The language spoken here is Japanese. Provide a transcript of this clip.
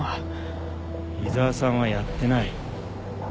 井沢さんはやってない。